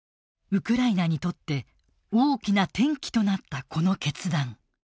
ウクライナにとって大きな転機となったこの決断。